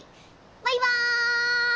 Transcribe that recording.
バイバイ！